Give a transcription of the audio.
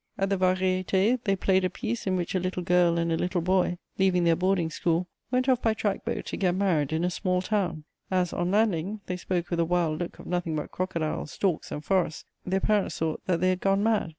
At the Variétés, they played a piece in which a little girl and a little boy, leaving their boarding school, went off by track boat to get married in a small town; as, on landing, they spoke with a wild look of nothing but crocodiles, storks and forests, their parents thought that they had gone mad.